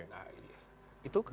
nah itu kan